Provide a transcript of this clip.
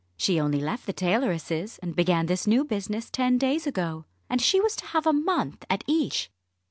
She only left the tailoresses and began this new business ten days ago. And she was to have a month at each."